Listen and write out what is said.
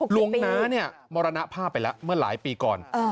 หลวงน้าเนี่ยมรณภาพไปแล้วเมื่อหลายปีก่อน